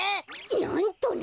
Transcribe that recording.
なんとな！